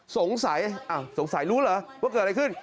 สงสัยสงสัยรู้เหรอว่าเกิดอะไรขึ้น